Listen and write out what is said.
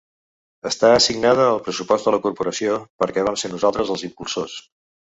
Està assignada al pressupost de la corporació perquè vam ser nosaltres els impulsors.